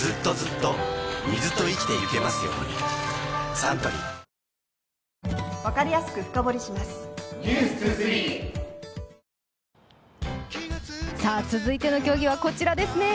サントリー続いての競技はこちらですね。